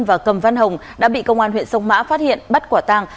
và cầm văn hồng đã bị công an huyện sông mã phát hiện bắt quả tàng